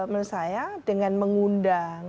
menurut saya dengan mengundang